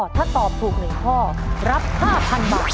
ถ้าตอบถูก๑ข้อรับ๕๐๐๐บาท